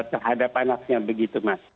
terhadap anaknya begitu mas